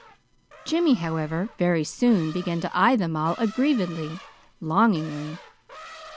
Jimmy, however, very soon began to eye them all aggrievedly, longingly.